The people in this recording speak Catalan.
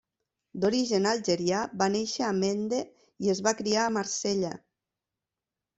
D'origen algerià, va néixer a Mende i es va criar a Marsella.